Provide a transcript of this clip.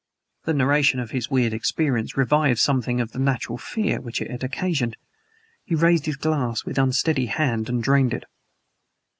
The narration of his weird experience revived something of the natural fear which it had occasioned. He raised his glass, with unsteady hand, and drained it.